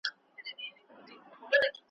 دلتــه مو سیــوری ښکاري جوخت شه لږدیوال ډډې ته